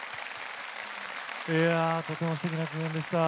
いやとてもすてきな共演でした。